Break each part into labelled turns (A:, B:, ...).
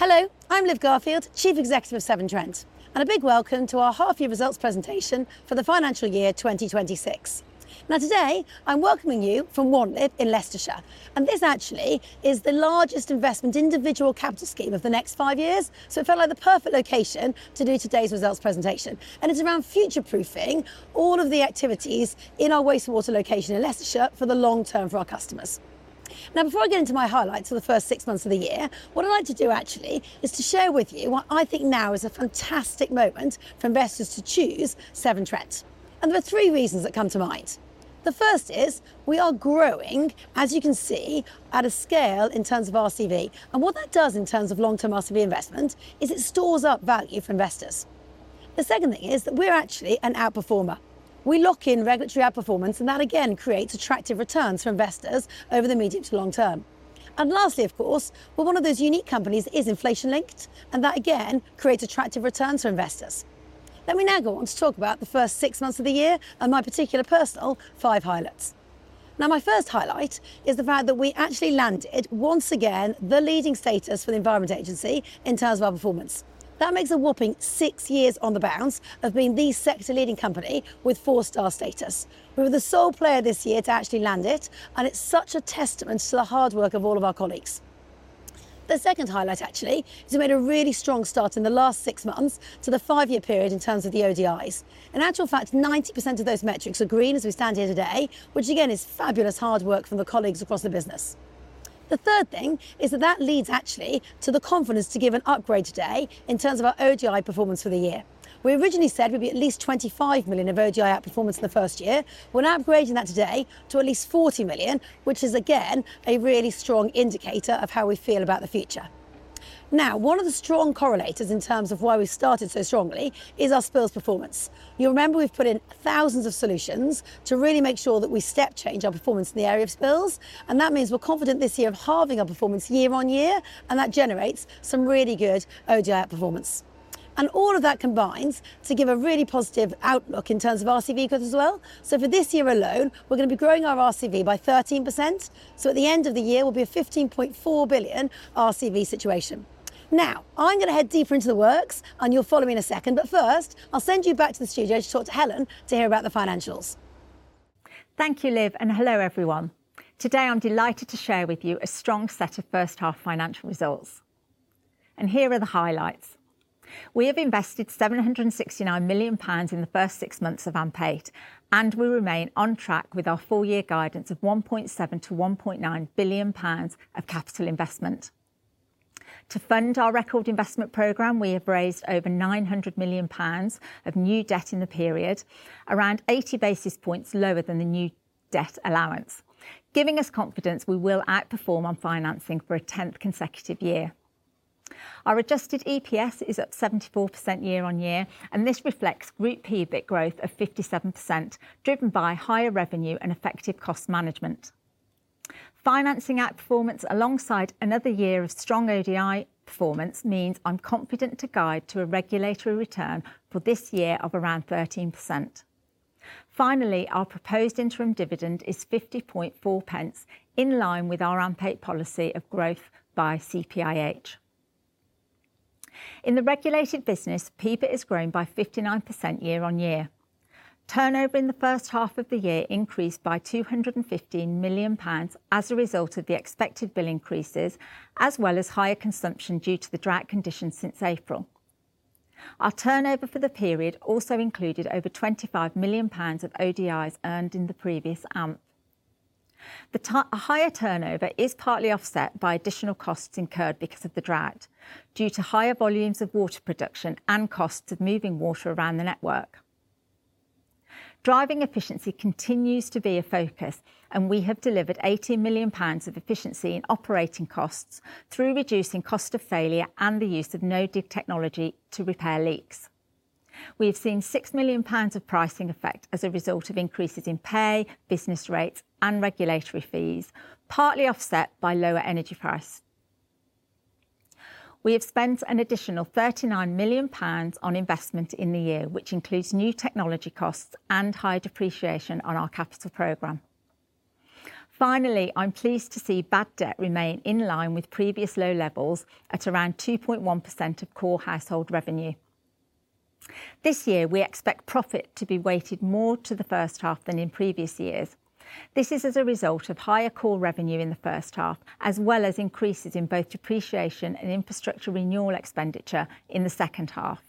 A: Hello, I'm Liv Garfield, Chief Executive of Severn Trent, and a big welcome to our half-year results presentation for the financial year 2026. Now, today I'm welcoming you from Wanlip in Leicestershire, and this actually is the largest investment individual capital scheme of the next five years. It felt like the perfect location to do today's results presentation. It is around future-proofing all of the activities in our wastewater location in Leicestershire for the long term for our customers. Now, before I get into my highlights for the first six months of the year, what I'd like to do actually is to share with you what I think now is a fantastic moment for investors to choose Severn Trent. There are three reasons that come to mind. The first is we are growing, as you can see, at a scale in terms of RCV. What that does in terms of long-term RCV investment is it stores up value for investors. The second thing is that we're actually an outperformer. We lock in regulatory outperformance, and that again creates attractive returns for investors over the medium to long term. Lastly, of course, we're one of those unique companies that is inflation-linked, and that again creates attractive returns for investors. Let me now go on to talk about the first six months of the year and my particular personal five highlights. My first highlight is the fact that we actually landed once again the leading status for the Environment Agency in terms of our performance. That makes a whopping six years on the bounce of being the sector-leading company with four-star status. We were the sole player this year to actually land it, and it's such a testament to the hard work of all of our colleagues. The second highlight actually is we made a really strong start in the last six months to the five-year period in terms of the ODIs. In actual fact, 90% of those metrics are green as we stand here today, which again is fabulous hard work from the colleagues across the business. The third thing is that that leads actually to the confidence to give an upgrade today in terms of our ODI performance for the year. We originally said we'd be at least 25 million of ODI outperformance in the first year. We're now upgrading that today to at least 40 million, which is again a really strong indicator of how we feel about the future. Now, one of the strong correlators in terms of why we started so strongly is our spills performance. You'll remember we've put in thousands of solutions to really make sure that we step change our performance in the area of spills. That means we're confident this year of halving our performance year on year, and that generates some really good ODI outperformance. All of that combines to give a really positive outlook in terms of RCV growth as well. For this year alone, we're going to be growing our RCV by 13%. At the end of the year, we'll be a 15.4 billion RCV situation. Now, I'm going to head deeper into the works, and you'll follow me in a second. First, I'll send you back to the studio to talk to Helen to hear about the financials.
B: Thank you, Liv, and hello everyone. Today, I'm delighted to share with you a strong set of first-half financial results. Here are the highlights. We have invested 769 million pounds in the first six months of AMP8, and we remain on track with our full-year guidance of 1.7 billion-1.9 billion pounds of capital investment. To fund our record investment program, we have raised over 900 million pounds of new debt in the period, around 80 basis points lower than the new debt allowance, giving us confidence we will outperform on financing for a 10th consecutive year. Our adjusted EPS is up 74% year-on-year, and this reflects Group PBIT growth of 57%, driven by higher revenue and effective cost management. Financing outperformance alongside another year of strong ODI performance means I'm confident to guide to a regulatory return for this year of around 13%. Finally, our proposed interim dividend is 0.504, in line with our AMP8 policy of growth by CPIH. In the regulated business, PBIT is growing by 59% year-on-year. Turnover in the first half of the year increased by 215 million pounds as a result of the expected bill increases, as well as higher consumption due to the dry conditions since April. Our turnover for the period also included over 25 million pounds of ODIs earned in the previous AMP. The higher turnover is partly offset by additional costs incurred because of the dry, due to higher volumes of water production and costs of moving water around the network. Driving efficiency continues to be a focus, and we have delivered 18 million pounds of efficiency in operating costs through reducing cost of failure and the use of No-Dig technology to repair leaks. We have seen 6 million pounds of pricing effect as a result of increases in pay, business rates, and regulatory fees, partly offset by lower energy price. We have spent an additional 39 million pounds on investment in the year, which includes new technology costs and high depreciation on our capital program. Finally, I'm pleased to see bad debt remain in line with previous low levels at around 2.1% of core household revenue. This year, we expect profit to be weighted more to the first half than in previous years. This is as a result of higher core revenue in the first half, as well as increases in both depreciation and infrastructure renewal expenditure in the second half.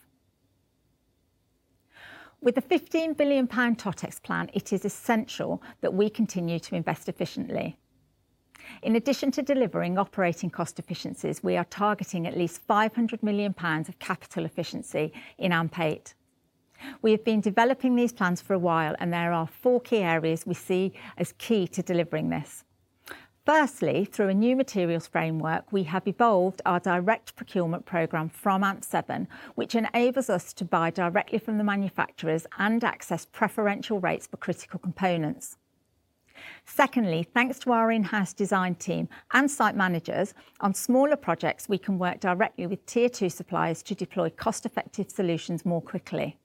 B: With a 15 billion pound TOTEX plan, it is essential that we continue to invest efficiently. In addition to delivering operating cost efficiencies, we are targeting at least 500 million pounds of capital efficiency in AMP8. We have been developing these plans for a while, and there are four key areas we see as key to delivering this. Firstly, through a new materials framework, we have evolved our direct procurement program from AMP7, which enables us to buy directly from the manufacturers and access preferential rates for critical components. Secondly, thanks to our in-house design team and site managers on smaller projects, we can work directly with tier two suppliers to deploy cost-effective solutions more quickly.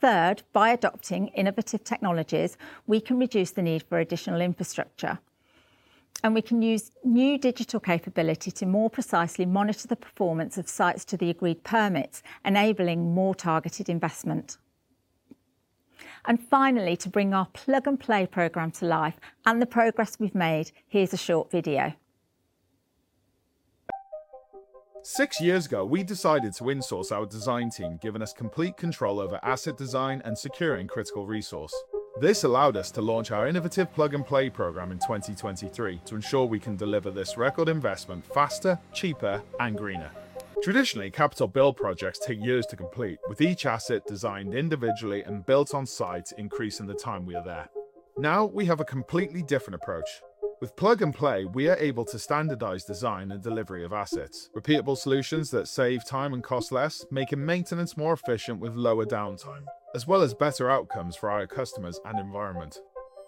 B: Third, by adopting innovative technologies, we can reduce the need for additional infrastructure, and we can use new digital capability to more precisely monitor the performance of sites to the agreed permits, enabling more targeted investment. Finally, to bring our Plug and Play program to life and the progress we've made, here's a short video. Six years ago, we decided to insource our design team, giving us complete control over asset design and securing critical resource. This allowed us to launch our innovative Plug and Play program in 2023 to ensure we can deliver this record investment faster, cheaper, and greener. Traditionally, capital build projects take years to complete, with each asset designed individually and built on site, increasing the time we are there. Now, we have a completely different approach. With Plug and Play, we are able to standardize design and delivery of assets. Repeatable solutions that save time and cost less make maintenance more efficient with lower downtime, as well as better outcomes for our customers and environment.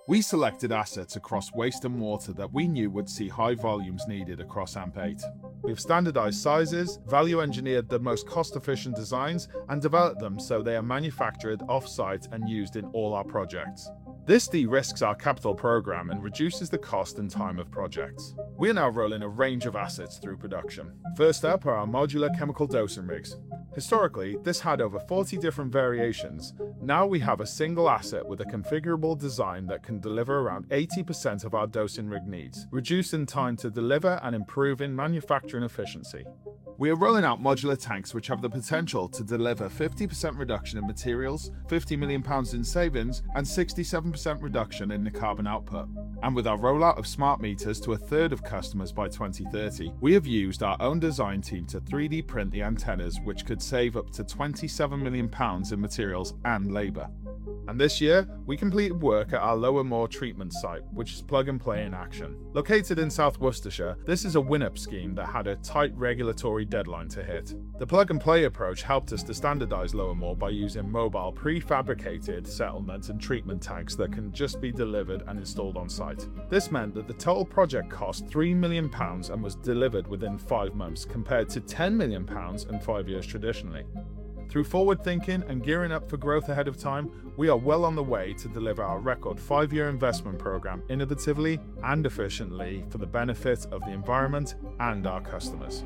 B: We selected assets across waste and water that we knew would see high volumes needed across AMP8. We've standardized sizes, value engineered the most cost-efficient designs, and developed them so they are manufactured off-site and used in all our projects. This de-risks our capital program and reduces the cost and time of projects. We are now rolling a range of assets through production. First up are our modular chemical dosing rigs. Historically, this had over 40 different variations. Now, we have a single asset with a configurable design that can deliver around 80% of our dosing rig needs, reducing time to deliver and improving manufacturing efficiency. We are rolling out modular tanks, which have the potential to deliver a 50% reduction in materials, 50 million pounds in savings, and a 67% reduction in the carbon output. With our rollout of smart meters to a third of customers by 2030, we have used our own design team to 3D print the antennas, which could save up to 27 million pounds in materials and labor. This year, we completed work at our Lower Moor treatment site, which is Plug and Play in action. Located in South Worcestershire, this is a Wanlip scheme that had a tight regulatory deadline to hit. The Plug and Play approach helped us to standardize Lower Moor by using mobile prefabricated settlement and treatment tanks that can just be delivered and installed on site. This meant that the total project cost 3 million pounds and was delivered within five months, compared to 10 million pounds in five years traditionally. Through forward-thinking and gearing up for growth ahead of time, we are well on the way to deliver our record five-year investment program innovatively and efficiently for the benefit of the environment and our customers.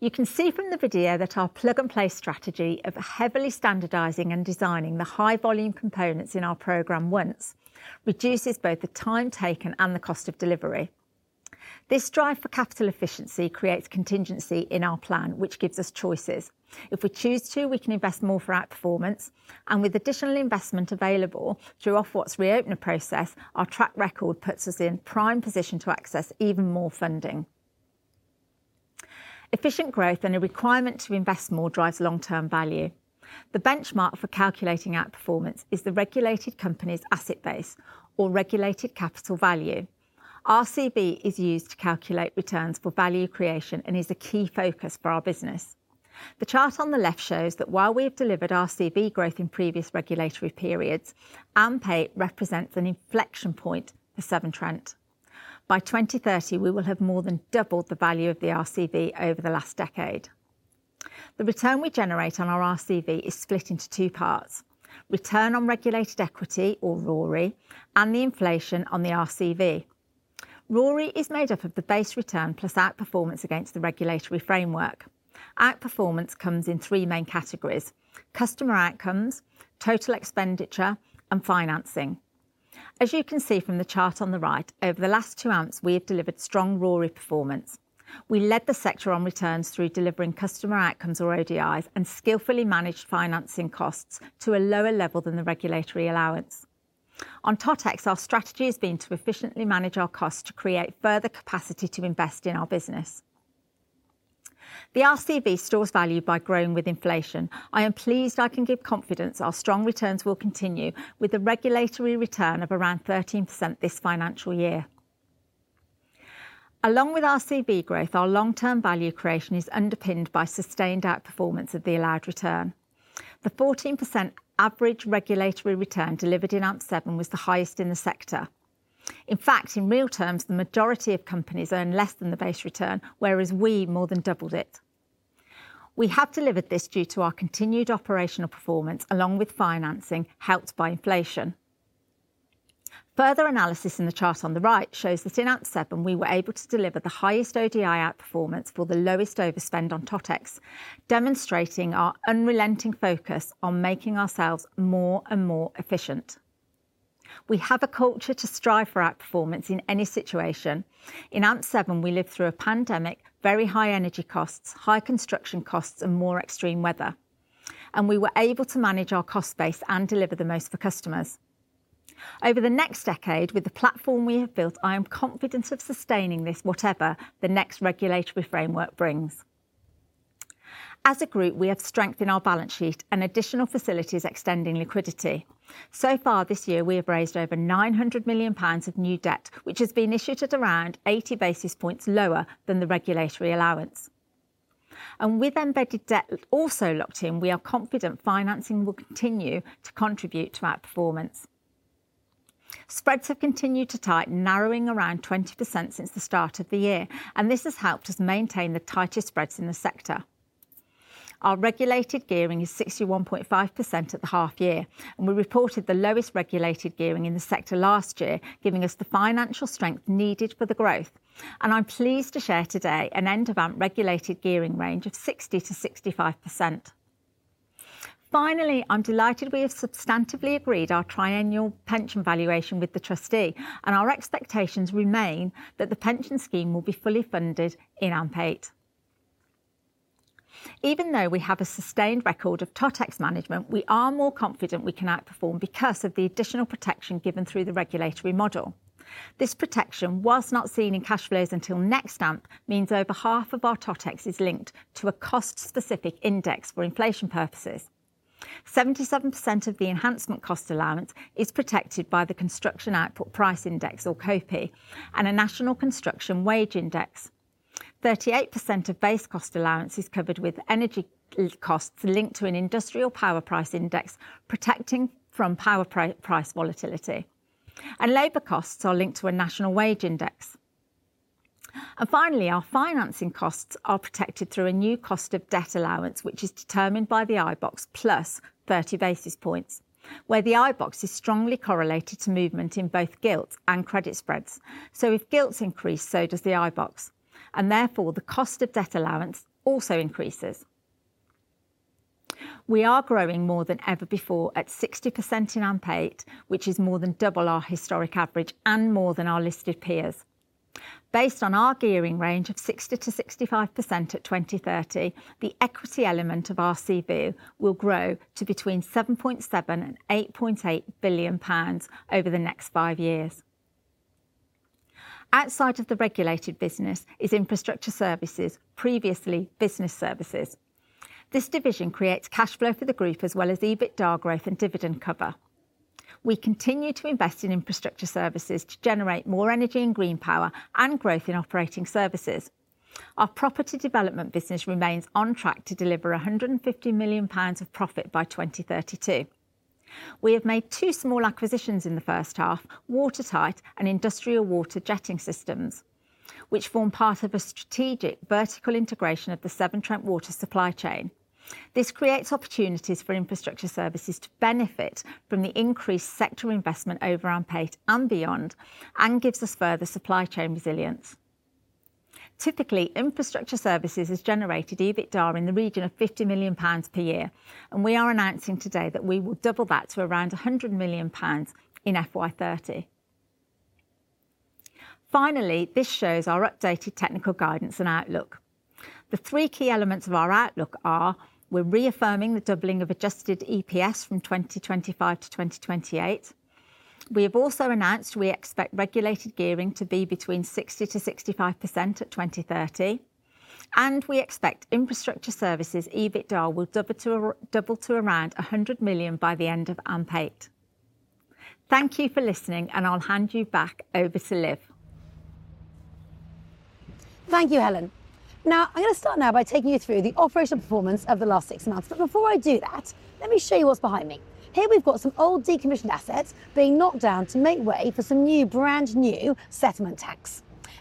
B: You can see from the video that our Plug and Play strategy of heavily standardizing and designing the high-volume components in our program once reduces both the time taken and the cost of delivery. This drive for capital efficiency creates contingency in our plan, which gives us choices. If we choose to, we can invest more for outperformance. With additional investment available through Ofwat's reopener process, our track record puts us in prime position to access even more funding. Efficient growth and a requirement to invest more drives long-term value. The benchmark for calculating outperformance is the regulated company's asset base or Regulatory Capital Value. RCV is used to calculate returns for value creation and is a key focus for our business. The chart on the left shows that while we have delivered RCV growth in previous regulatory periods, AMP8 represents an inflection point for Severn Trent. By 2030, we will have more than doubled the value of the RCV over the last decade. The return we generate on our RCV is split into two parts: return on regulated equity, or RoRE, and the inflation on the RCV. RoRE is made up of the base return plus outperformance against the regulatory framework. Outperformance comes in three main categories: customer outcomes, total expenditure, and financing. As you can see from the chart on the right, over the last two months, we have delivered strong RoRE performance. We led the sector on returns through delivering customer outcomes, or ODIs, and skillfully managed financing costs to a lower level than the regulatory allowance. On TOTEX, our strategy has been to efficiently manage our costs to create further capacity to invest in our business. The RCV stores value by growing with inflation. I am pleased I can give confidence our strong returns will continue with a regulatory return of around 13% this financial year. Along with RCV growth, our long-term value creation is underpinned by sustained outperformance of the allowed return. The 14% average regulatory return delivered in AMP7 was the highest in the sector. In fact, in real terms, the majority of companies earn less than the base return, whereas we more than doubled it. We have delivered this due to our continued operational performance, along with financing helped by inflation. Further analysis in the chart on the right shows that in AMP7, we were able to deliver the highest ODI outperformance for the lowest overspend on TOTEX, demonstrating our unrelenting focus on making ourselves more and more efficient. We have a culture to strive for outperformance in any situation. In AMP7, we lived through a pandemic, very high energy costs, high construction costs, and more extreme weather, and we were able to manage our cost base and deliver the most for customers. Over the next decade, with the platform we have built, I am confident of sustaining this whatever the next regulatory framework brings. As a group, we have strengthened our balance sheet and additional facilities, extending liquidity. So far this year, we have raised over 900 million pounds of new debt, which has been issued at around 80 basis points lower than the regulatory allowance. With embedded debt also locked in, we are confident financing will continue to contribute to outperformance. Spreads have continued to tighten, narrowing around 20% since the start of the year, and this has helped us maintain the tightest spreads in the sector. Our regulated gearing is 61.5% at the half year, and we reported the lowest regulated gearing in the sector last year, giving us the financial strength needed for the growth. I am pleased to share today an end-of-AMP regulated gearing range of 60%-65%. Finally, I am delighted we have substantively agreed our triennial pension valuation with the trustee, and our expectations remain that the pension scheme will be fully funded in AMP8. Even though we have a sustained record of TOTEX management, we are more confident we can outperform because of the additional protection given through the regulatory model. This protection, whilst not seen in cash flows until next AMP, means over half of our TOTEX is linked to a cost-specific index for inflation purposes. 77% of the enhancement cost allowance is protected by the Construction Output Price Index, or COPI, and a National Construction Wage Index. 38% of base cost allowance is covered with energy costs linked to an Industrial Power Price Index, protecting from power price volatility. Labor costs are linked to a National Wage Index. Finally, our financing costs are protected through a new cost of debt allowance, which is determined by the IBOX plus 30 basis points, where the IBOX is strongly correlated to movement in both gilt and credit spreads. If gilts increase, so does the IBOX, and therefore the cost of debt allowance also increases. We are growing more than ever before at 60% in AMP8, which is more than double our historic average and more than our listed peers. Based on our gearing range of 60%-65% at 2030, the equity element of RCV will grow to between 7.7 billion and 8.8 billion pounds over the next five years. Outside of the regulated business is Infrastructure Services, previously Business Services. This division creates cash flow for the group, as well as EBITDA growth and dividend cover. We continue to invest in Infrastructure Services to generate more energy and green power and growth in operating services. Our property development business remains on track to deliver 150 million pounds of profit by 2032. We have made two small acquisitions in the first half: Watertight and Industrial Water Jetting Systems, which form part of a strategic vertical integration of the Severn Trent water supply chain. This creates opportunities for Infrastructure Services to benefit from the increased sector investment over AMP7 and beyond, and gives us further supply chain resilience. Typically, Infrastructure Services has generated EBITDA in the region of 50 million pounds per year, and we are announcing today that we will double that to around 100 million pounds in FY 2030. Finally, this shows our updated technical guidance and outlook. The three key elements of our outlook are: we're reaffirming the doubling of adjusted EPS from 2025 to 2028. We have also announced we expect regulated gearing to be between 60%-65% at 2030, and we expect Infrastructure Services' EBITDA will double to around 100 million by the end of AMP8. Thank you for listening, and I'll hand you back over to Liv.
A: Thank you, Helen. Now, I'm going to start now by taking you through the operational performance of the last six months. Before I do that, let me show you what's behind me. Here, we've got some old decommissioned assets being knocked down to make way for some new, brand new settlement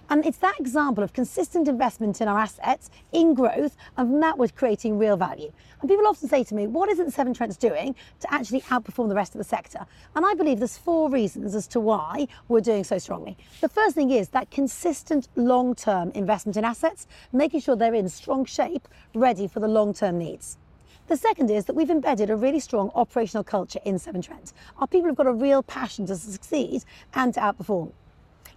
A: tanks. It's that example of consistent investment in our assets in growth and from that, we're creating real value. People often say to me, "What isn't Severn Trent doing to actually outperform the rest of the sector?" I believe there's four reasons as to why we're doing so strongly. The first thing is that consistent long-term investment in assets, making sure they're in strong shape, ready for the long-term needs. The second is that we've embedded a really strong operational culture in Severn Trent. Our people have got a real passion to succeed and to outperform.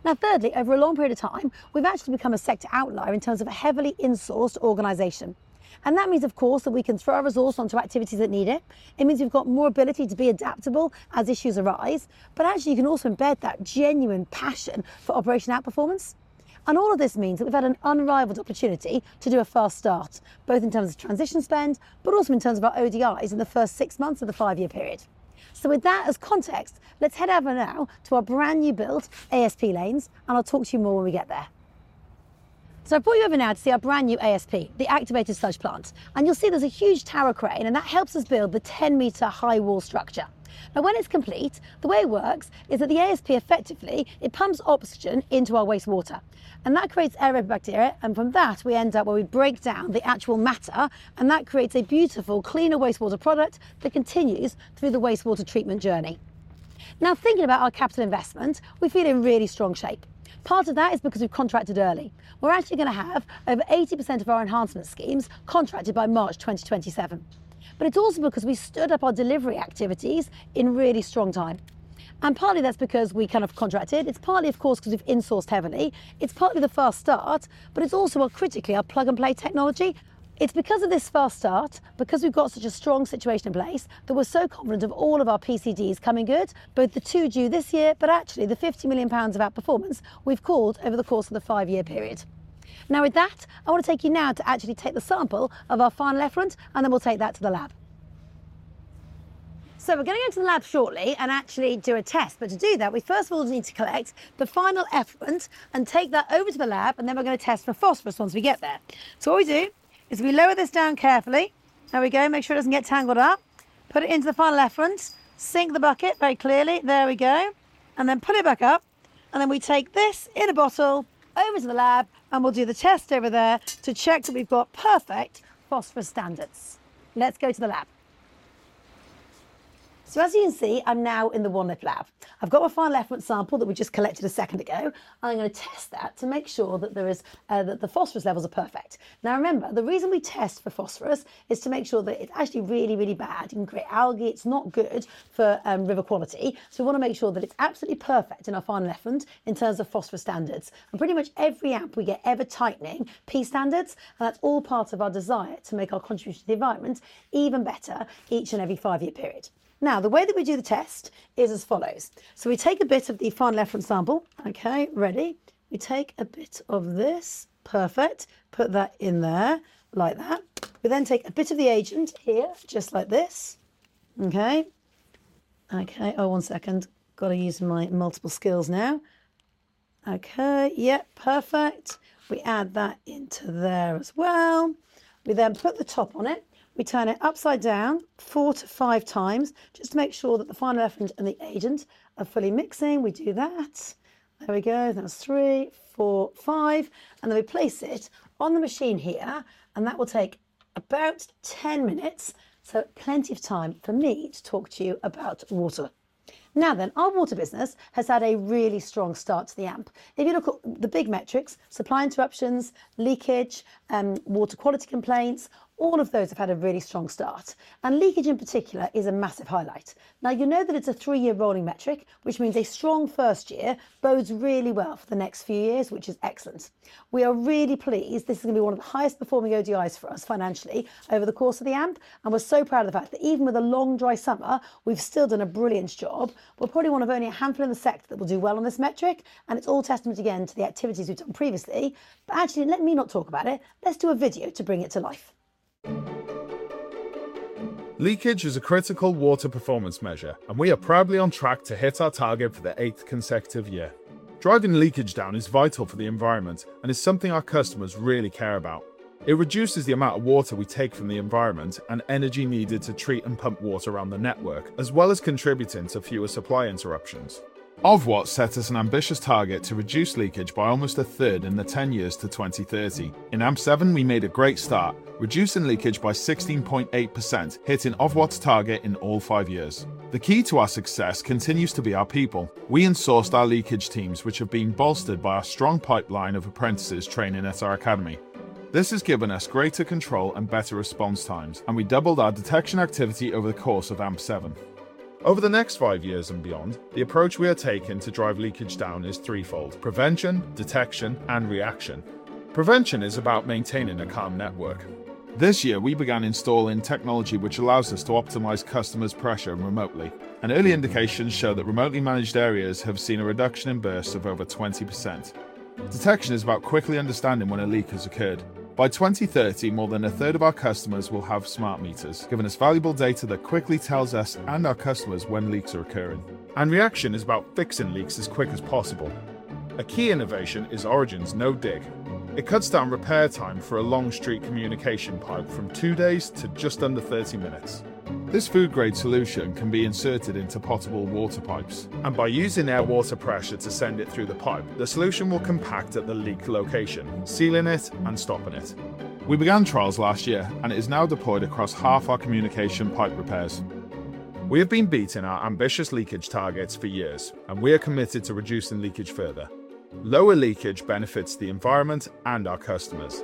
A: Now, thirdly, over a long period of time, we've actually become a sector outlier in terms of a heavily insourced organization. That means, of course, that we can throw our resource onto activities that need it. It means we've got more ability to be adaptable as issues arise, but actually, you can also embed that genuine passion for operational outperformance. All of this means that we've had an unrivaled opportunity to do a fast start, both in terms of transition spend, but also in terms of our ODIs in the first six months of the five-year period. With that as context, let's head over now to our brand new built ASP lanes, and I'll talk to you more when we get there. I brought you over now to see our brand new ASP, the activated sludge plant. You'll see there's a huge tower crane, and that helps us build the 10 m high wall structure. When it's complete, the way it works is that the ASP effectively pumps oxygen into our wastewater, and that creates aerobic bacteria. From that, we end up where we break down the actual matter, and that creates a beautiful, cleaner wastewater product that continues through the wastewater treatment journey. Now, thinking about our capital investment, we're feeling in really strong shape. Part of that is because we've contracted early. We're actually going to have over 80% of our enhancement schemes contracted by March 2027. It's also because we stood up our delivery activities in really strong time. Partly that's because we kind of contracted. It's partly, of course, because we've insourced heavily. It's partly the fast start, but it's also what critically our Plug and Play technology. It's because of this fast start, because we've got such a strong situation in place that we're so confident of all of our PCDs coming good, both the two due this year, but actually the 50 million pounds of outperformance we've called over the course of the five-year period. Now, with that, I want to take you now to actually take the sample of our final effluent, and then we'll take that to the lab. We're going to go to the lab shortly and actually do a test. To do that, we first of all need to collect the final effluent and take that over to the lab, and then we're going to test for phosphorus once we get there. What we do is we lower this down carefully. There we go. Make sure it does not get tangled up. Put it into the final effluent. Sink the bucket very clearly. There we go. Put it back up. We take this in a bottle over to the lab, and we will do the test over there to check that we have got perfect phosphorus standards. Let us go to the lab. As you can see, I am now in the Wanlip lab. I have got my final effluent sample that we just collected a second ago, and I am going to test that to make sure that the phosphorus levels are perfect. Now, remember, the reason we test for phosphorus is to make sure that it is actually really, really bad. You can create algae. It is not good for river quality. We want to make sure that it is absolutely perfect in our final effluent in terms of phosphorus standards. Pretty much every AMP we get ever tightening P standards, and that is all part of our desire to make our contribution to the environment even better each and every five-year period. The way that we do the test is as follows. We take a bit of the final effluent sample. Okay, ready? We take a bit of this. Perfect. Put that in there like that. We then take a bit of the agent here, just like this. Okay. Okay, oh, one second. Got to use my multiple skills now. Okay, yep, perfect. We add that into there as well. We then put the top on it. We turn it upside down four to five times just to make sure that the final effluent and the agent are fully mixing. We do that. There we go. That was three, four, five. We place it on the machine here, and that will take about 10 minutes. Plenty of time for me to talk to you about water. Our water business has had a really strong start to the AMP. If you look at the big metrics, supply interruptions, leakage, water quality complaints, all of those have had a really strong start. Leakage in particular is a massive highlight. You know that it is a three-year rolling metric, which means a strong first year bodes really well for the next few years, which is excellent. We are really pleased. This is going to be one of the highest performing ODIs for us financially over the course of the AMP, and we are so proud of the fact that even with a long dry summer, we have still done a brilliant job. We're probably one of only a handful in the sector that will do well on this metric, and it's all testament again to the activities we've done previously. Actually, let me not talk about it. Let's do a video to bring it to life. Leakage is a critical water performance measure, and we are proudly on track to hit our target for the eighth consecutive year. Driving leakage down is vital for the environment and is something our customers really care about. It reduces the amount of water we take from the environment and energy needed to treat and pump water around the network, as well as contributing to fewer supply interruptions. Ofwat set us an ambitious target to reduce leakage by almost a third in the 10 years to 2030. In AMP7, we made a great start, reducing leakage by 16.8%, hitting Ofwat's target in all five years. The key to our success continues to be our people. We insourced our leakage teams, which have been bolstered by our strong pipeline of apprentices training at our academy. This has given us greater control and better response times, and we doubled our detection activity over the course of AMP7. Over the next five years and beyond, the approach we are taking to drive leakage down is threefold: prevention, detection, and reaction. Prevention is about maintaining a calm network. This year, we began installing technology which allows us to optimize customers' pressure remotely, and early indications show that remotely managed areas have seen a reduction in bursts of over 20%. Detection is about quickly understanding when a leak has occurred. By 2030, more than a third of our customers will have smart meters, giving us valuable data that quickly tells us and our customers when leaks are occurring. Reaction is about fixing leaks as quick as possible. A key innovation is Origin's No-Dig. It cuts down repair time for a long street communication pipe from two days to just under 30 minutes. This food-grade solution can be inserted into potable water pipes, and by using air water pressure to send it through the pipe, the solution will compact at the leak location, sealing it and stopping it. We began trials last year, and it is now deployed across half our communication pipe repairs. We have been beating our ambitious leakage targets for years, and we are committed to reducing leakage further. Lower leakage benefits the environment and our customers.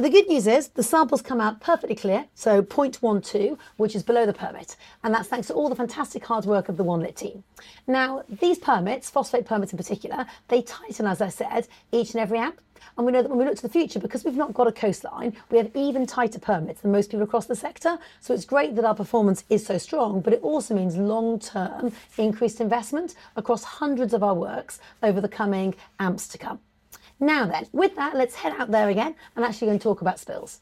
A: The good news is the samples come out perfectly clear, so 0.12, which is below the permit, and that's thanks to all the fantastic hard work of the Wanlip team. Now, these permits, phosphate permits in particular, they tighten, as I said, each and every AMP, and we know that when we look to the future, because we've not got a coastline, we have even tighter permits than most people across the sector. It's great that our performance is so strong, but it also means long-term increased investment across hundreds of our works over the coming AMPs to come. Now then, with that, let's head out there again and actually go and talk about spills.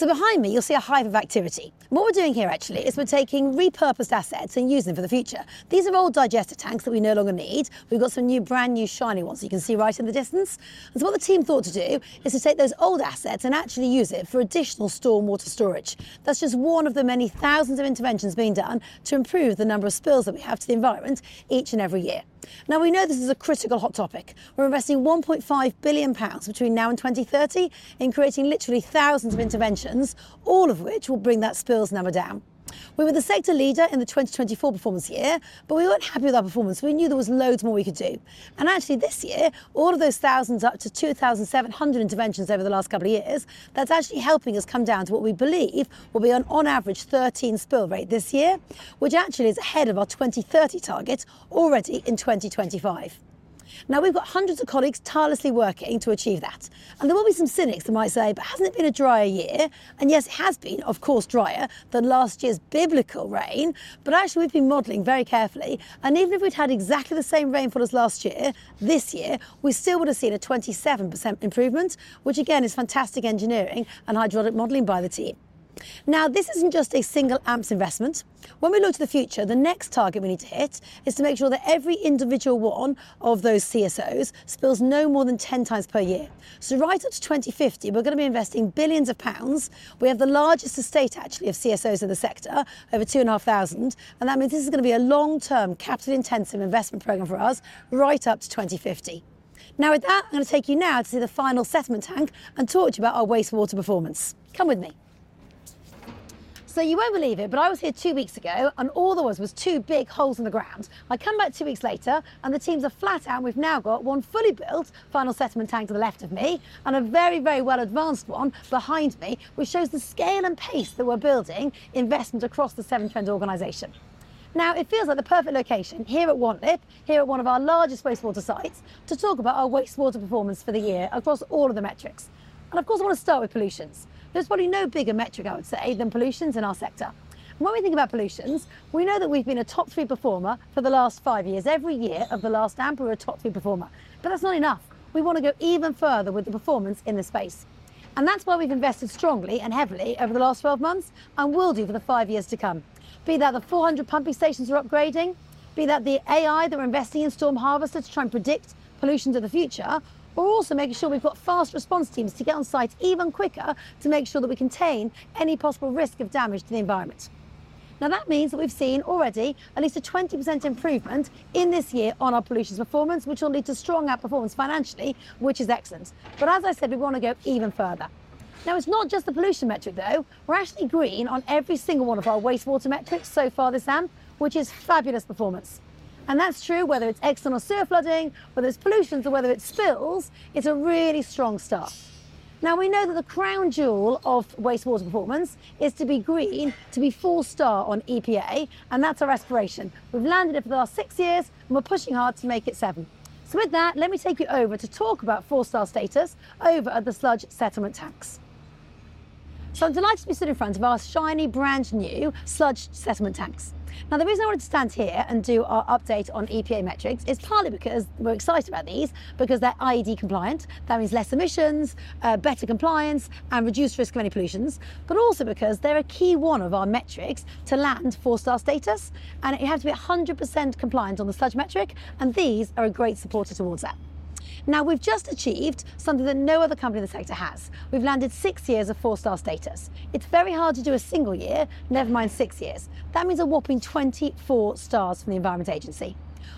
A: Behind me, you'll see a hive of activity. What we're doing here actually is we're taking repurposed assets and using them for the future. These are old digester tanks that we no longer need. We've got some new brand new shiny ones you can see right in the distance. What the team thought to do is to take those old assets and actually use it for additional stormwater storage. That's just one of the many thousands of interventions being done to improve the number of spills that we have to the environment each and every year. We know this is a critical hot topic. We're investing 1.5 billion pounds between now and 2030 in creating literally thousands of interventions, all of which will bring that spills number down. We were the sector leader in the 2024 performance year, but we weren't happy with our performance. We knew there was loads more we could do. Actually, this year, all of those thousands, up to 2,700 interventions over the last couple of years, are helping us come down to what we believe will be an on-average 13 spill rate this year, which is ahead of our 2030 target already in 2025. We have hundreds of colleagues tirelessly working to achieve that. There will be some cynics that might say, "But has it not been a drier year?" Yes, it has been, of course, drier than last year's biblical rain, but we have been modeling very carefully. Even if we had exactly the same rainfall as last year, this year, we still would have seen a 27% improvement, which is fantastic engineering and hydraulic modeling by the team. This is not just a single AMP's investment. When we look to the future, the next target we need to hit is to make sure that every individual one of those CSOs spills no more than 10x per year. Right up to 2050, we're going to be investing billions of pounds. We have the largest estate actually of CSOs in the sector, over 2,500, and that means this is going to be a long-term capital intensive investment program for us right up to 2050. Now with that, I'm going to take you now to see the final settlement tank and talk to you about our wastewater performance. Come with me. You won't believe it, but I was here two weeks ago, and all there was was two big holes in the ground. I come back two weeks later, and the teams are flat out, and we've now got one fully built final settlement tank to the left of me and a very, very well advanced one behind me, which shows the scale and pace that we're building investment across the Severn Trent organization. Now, it feels like the perfect location here at Wanlip here at one of our largest wastewater sites to talk about our wastewater performance for the year across all of the metrics. Of course, I want to start with pollutions. There's probably no bigger metric I would say than pollutions in our sector. When we think about pollutions, we know that we've been a top three performer for the last five years. Every year of the last AMP, we were a top three performer, but that's not enough. We want to go even further with the performance in this space. That is why we have invested strongly and heavily over the last 12 months and will do for the five years to come. Be that the 400 pumping stations we are upgrading, be that the AI that we are investing in storm harvesters to try and predict pollution to the future, or also making sure we have got fast response teams to get on site even quicker to make sure that we contain any possible risk of damage to the environment. That means that we have seen already at least a 20% improvement in this year on our pollution performance, which will lead to strong outperformance financially, which is excellent. As I said, we want to go even further. It is not just the pollution metric though. We're actually green on every single one of our wastewater metrics so far this AMP, which is fabulous performance. That's true whether it's excellent or severe flooding, whether it's pollution or whether it's spills, it's a really strong start. Now, we know that the crown jewel of wastewater performance is to be green, to be four star on EPA, and that's our aspiration. We've landed it for the last six years, and we're pushing hard to make it seven. With that, let me take you over to talk about four star status over at the sludge settlement tanks. I'm delighted to be sitting in front of our shiny brand new sludge settlement tanks. The reason I wanted to stand here and do our update on EPA metrics is partly because we're excited about these because they're IED compliant. That means less emissions, better compliance, and reduced risk of any pollutions, but also because they're a key one of our metrics to land four star status, and it has to be 100% compliant on the sludge metric, and these are a great supporter towards that. Now, we've just achieved something that no other company in the sector has. We've landed six years of four star status. It's very hard to do a single year, never mind six years. That means a whopping 24 stars from the Environment Agency.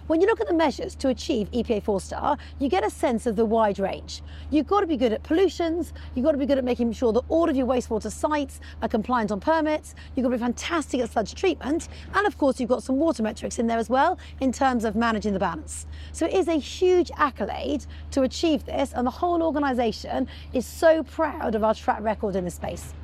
A: When you look at the measures to achieve EPA four star, you get a sense of the wide range. You've got to be good at pollutions. You've got to be good at making sure that all of your wastewater sites are compliant on permits. You've got to be fantastic at sludge treatment. Of course, you've got some water metrics in there as well in terms of managing the balance. It is a huge accolade to achieve this, and the whole organization is so proud of our track record in this space.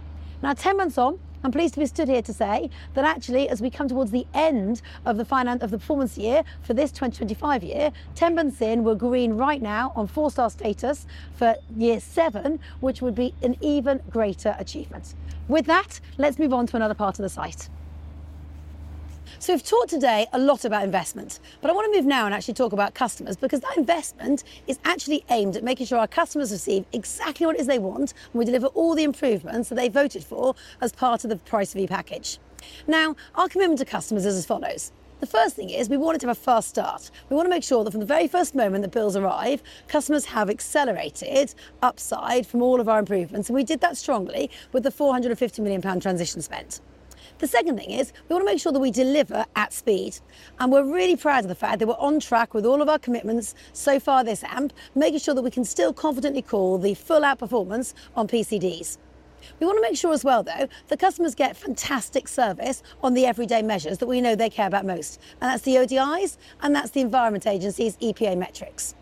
A: Now, 10 months on, I'm pleased to be stood here to say that actually, as we come towards the end of the performance year for this 2025 year, 10 months in, we're green right now on four star status for year seven, which would be an even greater achievement. With that, let's move on to another part of the site. We have talked today a lot about investment, but I want to move now and actually talk about customers because that investment is actually aimed at making sure our customers receive exactly what it is they want, and we deliver all the improvements that they voted for as part of the price of E package. Now, our commitment to customers is as follows. The first thing is we wanted to have a fast start. We want to make sure that from the very first moment that bills arrive, customers have accelerated upside from all of our improvements, and we did that strongly with the 450 million pound transition spend. The second thing is we want to make sure that we deliver at speed, and we're really proud of the fact that we're on track with all of our commitments so far this AMP, making sure that we can still confidently call the full outperformance on PCDs. We want to make sure as well, though, that customers get fantastic service on the everyday measures that we know they care about most, and that's the ODIs, and that's the Environment Agency's EPA metrics.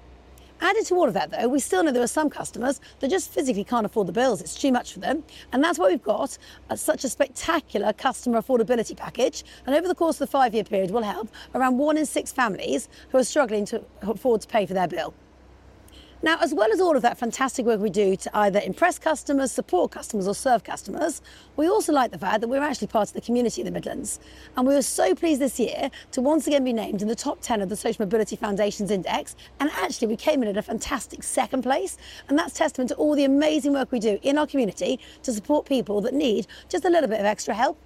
A: Added to all of that, though, we still know there are some customers that just physically can't afford the bills. It's too much for them, and that's why we've got such a spectacular customer affordability package, and over the course of the five-year period, we'll help around one in six families who are struggling to afford to pay for their bill. Now, as well as all of that fantastic work we do to either impress customers, support customers, or serve customers, we also like the fact that we're actually part of the community in the Midlands, and we were so pleased this year to once again be named in the Top 10 of the Social Mobility Foundation's index, and actually we came in at a fantastic second place, and that's testament to all the amazing work we do in our community to support people that need just a little bit of extra help.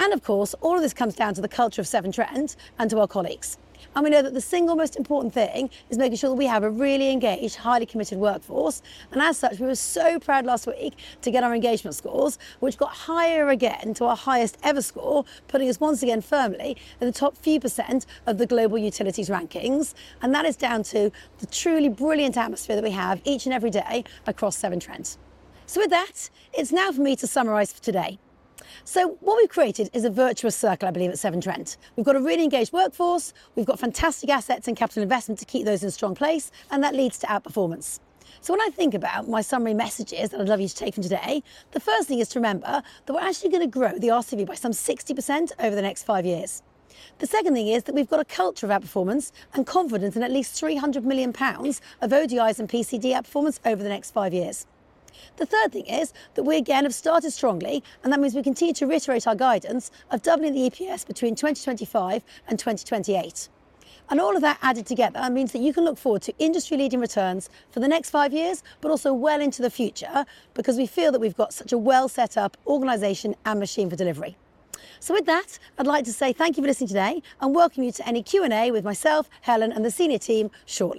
A: Of course, all of this comes down to the culture of Severn Trent and to our colleagues, and we know that the single most important thing is making sure that we have a really engaged, highly committed workforce, and as such, we were so proud last week to get our engagement scores, which got higher again to our highest ever score, putting us once again firmly at the top few percent of the global utilities rankings, and that is down to the truly brilliant atmosphere that we have each and every day across Severn Trent. With that, it is now for me to summarize for today. What we have created is a virtuous circle, I believe, at Severn Trent. We have got a really engaged workforce. We have got fantastic assets and capital investment to keep those in a strong place, and that leads to outperformance. When I think about my summary messages that I'd love you to take from today, the first thing is to remember that we're actually going to grow the RCV by some 60% over the next five years. The second thing is that we've got a culture of outperformance and confidence in at least 300 million pounds of ODIs and PCD outperformance over the next five years. The third thing is that we again have started strongly, and that means we continue to reiterate our guidance of doubling the EPS between 2025 and 2028. All of that added together means that you can look forward to industry-leading returns for the next five years, but also well into the future because we feel that we've got such a well-set up organisation and machine for delivery. With that, I'd like to say thank you for listening today and welcome you to any Q&A with myself, Helen, and the senior team shortly.